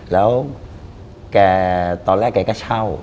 แล้วแกตอนแรกแกก็เช่า